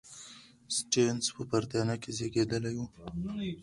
سټيونز په بریتانیا کې زېږېدلی و.